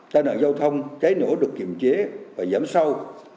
tài nạn giao thông trái nổ được kiểm chế và giảm sâu